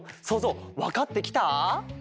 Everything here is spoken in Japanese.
そうぞうわかってきた？